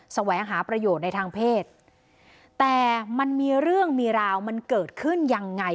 แสวงหาประโยชน์ในทางเพศแต่มันมีเรื่องมีราวมันเกิดขึ้นยังไง